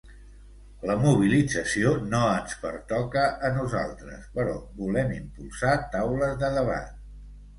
La mobilització no ens pertoca a nosaltres, però volem impulsar taules de debat.